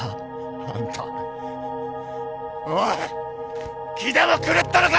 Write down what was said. あんたおい気でも狂ったのか！？